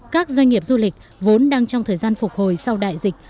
các doanh nghiệp du lịch vốn đang trong thời gian phục hồi sau đại dịch